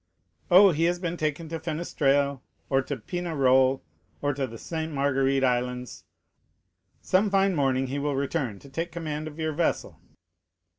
"Oh, he has been taken to Fenestrelles, to Pignerol, or to the Sainte Marguérite islands. Some fine morning he will return to take command of your vessel."